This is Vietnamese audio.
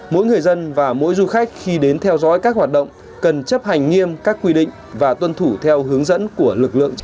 mỗi người dân và mỗi du khách khi đến theo dõi các hoạt động cần chấp hành nghiêm các quy định và tuân thủ theo hướng dẫn của lực lượng chức năng